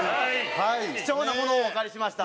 貴重なものをお借りしました。